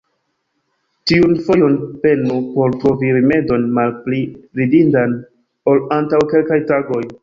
Tiun fojon, penu por trovi rimedon malpli ridindan, ol antaŭ kelkaj tagoj!